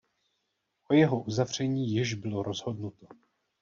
O jeho uzavření již bylo rozhodnuto.